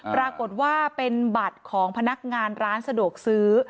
ปรากฏว่าเป็นบัตรของพนักงานร้านสะดวกซื้อ